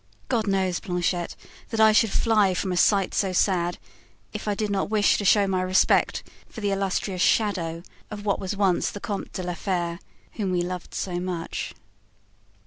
God knows, Planchet, that I should fly from a sight so sad if I did not wish to show my respect for the illustrious shadow of what was once the Comte de la Fere, whom we loved so much."